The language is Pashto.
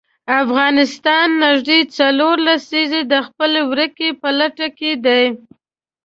افغانستان نژدې څلور لسیزې د خپلې ورکې په لټه کې دی.